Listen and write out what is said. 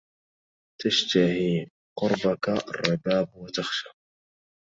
تشتهي قربك الرباب وتخشى